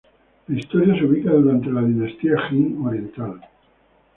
La historia se ubica durante la dinastía Jin oriental.